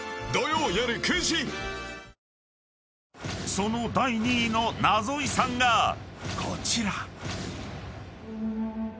［その第２位のナゾ遺産がこちら］